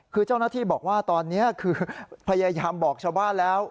คือเจ้าหน้าที่บอกว่าตอนนี้คือพยายามบอกชาวบ้านแล้ว